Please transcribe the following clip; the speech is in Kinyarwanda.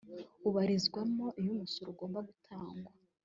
ubarizwamo. iyo umusoro ugomba gutangwa